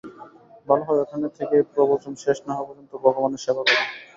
ভালো হয় ওখানে থেকে প্রবচন শেষ না হওয়া পর্যন্ত ভগবানের সেবা করো।